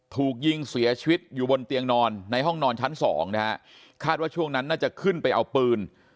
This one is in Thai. ถูกยิงเสียชีวิตอยู่บนเตียงนอนในห้องนอนชั้นสองนะฮะคาดว่าช่วงนั้นน่าจะขึ้นไปเอาปืน